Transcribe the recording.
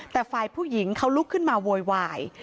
แต่ฝ่ายผู้หญิงเขาลุกขึ้นมาโวยวาย